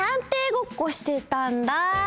ごっこしてたんだ。